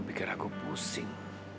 bikin aku pusing